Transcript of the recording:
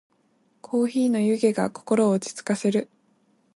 コーヒーの湯気が心を落ち着かせる。